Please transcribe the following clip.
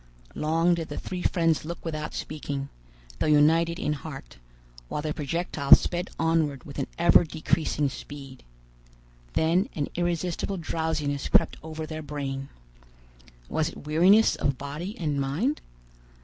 Long did the three friends look without speaking, though united in heart, while the projectile sped onward with an ever decreasing speed. Then an irresistible drowsiness crept over their brain. Was it weariness of body and mind?